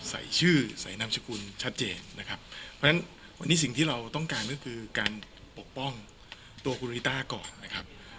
ใส่ชื่อใส่นามสกุลชัดเจนนะครับเพราะฉะนั้นวันนี้สิ่งที่เราต้องการก็คือการปกป้องตัวคุณริต้าก่อนนะครับ